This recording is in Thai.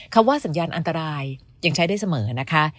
คำว่าสัญญาณอันตรายยังใช้ได้เสมอนะคะ